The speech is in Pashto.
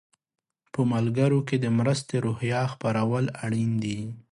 په ملګرو کې د مرستې روحیه خپرول اړین دي.